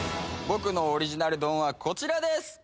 僕のオリジナル丼はこちらです